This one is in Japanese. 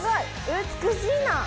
美しいな！